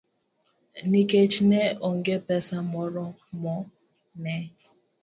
Nikech ne onge pesa moromo, ne